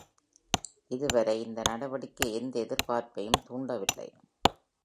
இதுவரை, இந்த நடவடிக்கை எந்த எதிர்ப்பையும் தூண்டவில்லை.